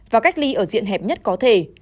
và cách ly ở diện hẹp nhất có thể